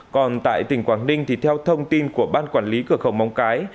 còn tại tỉnh quảng ninh thì theo thông tin của ban quản lý cửa khẩu móng cái